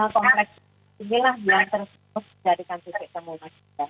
kompleks inilah yang terus diharuskan dari kantor kantor kemuliaan kita